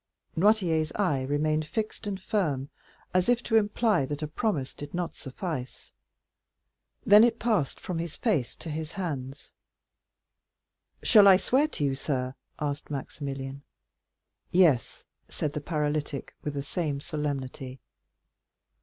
Noirtier's eye remained fixed and firm, as if to imply that a promise did not suffice; then it passed from his face to his hands. "Shall I swear to you, sir?" asked Maximilian. "Yes," said the paralytic with the same solemnity.